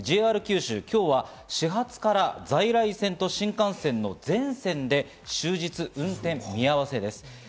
ＪＲ九州、今日は始発から在来線と新幹線の全線で終日、運転見合わせです。